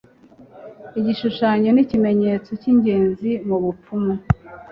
igishushanyo ni ikimenyetso cyingenzi mubupfumu